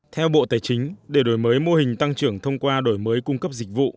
theo bộ tài chính để đổi mới mô hình tăng trưởng thông qua đổi mới cung cấp dịch vụ